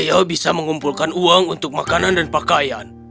saya bisa mengumpulkan uang untuk makanan dan pakaian